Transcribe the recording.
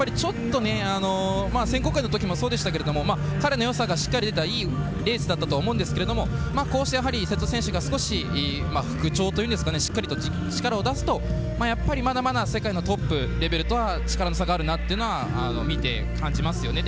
選考会のときもそうでしたけども彼のよさがしっかり出たいいレースだったと思うんですけどこうして、瀬戸選手が復調というんですかねしっかりと力を出すとまだまだ世界のトップレベルとは力の差があるなってのは見て感じますよね。